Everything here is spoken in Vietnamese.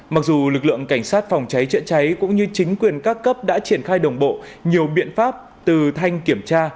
mặc dù lực lượng cảnh sát phòng cháy chữa cháy cũng như chính quyền các cấp đã triển khai đồng bộ nhiều biện pháp từ thanh kiểm tra